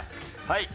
はい。